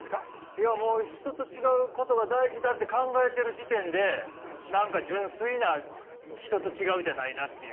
いやもう人と違うことが大事だって考えてる時点で何か純粋な人と違うじゃないなっていう。